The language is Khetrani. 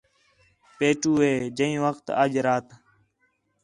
پیٹھو ہے، جئے وخت اَج رات